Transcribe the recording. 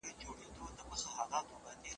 دا نرم باد چې لګېږي د ګرمۍ زور لږ کموي.